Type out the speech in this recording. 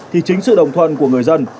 thì chính sự đồng thuận của người dân